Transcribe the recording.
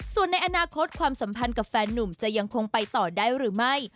ส่วนในอนาคตความสัมพันธ์กับแฟนนุ่มจะยังคงไปต่อได้หรือไม่